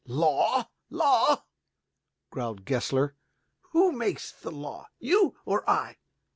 "Law, law?" growled Gessler. "Who makes the law, you or I?"